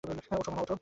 ওঠো, মামা!